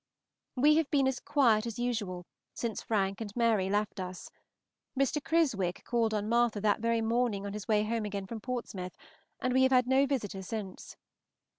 We have been as quiet as usual since Frank and Mary left us; Mr. Criswick called on Martha that very morning on his way home again from Portsmouth, and we have had no visitor since.